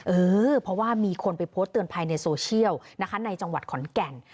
เออเพราะว่ามีคนไปโพสต์เตือนภัยในโซเชียลนะคะในจังหวัดขอนแก่น